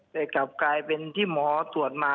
แต่กลับกลายเป็นที่หมอตรวจมา